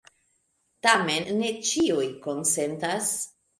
Tamen ne ĉiuj konsentas.